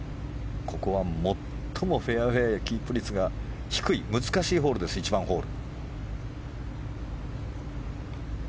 ここは最もフェアウェーキープ率が低い難しいホールです、１番ホール。